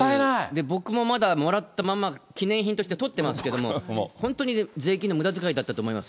僕もまだ、もらったまんま、記念品としてとってありますけれども、本当に税金のむだづかいだったと思います。